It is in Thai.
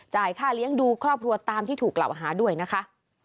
ค่าเลี้ยงดูครอบครัวตามที่ถูกกล่าวหาด้วยนะคะ